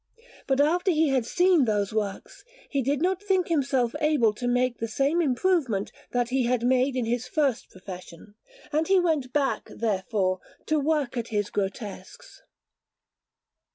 But, after he had seen those works, he did not think himself able to make the same improvement that he had made in his first profession, and he went back, therefore, to work at his grotesques.